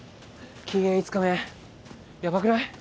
禁煙５日目ヤバくない？